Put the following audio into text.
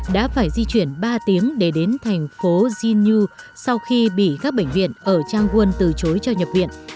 đã phải di chuyển ba tiếng để đến thành phố jinnyu sau khi bị các bệnh viện ở changwon từ chối cho nhập viện